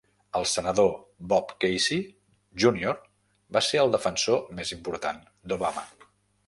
El senador Bob Casey, Junior va ser el defensor més important d'Obama.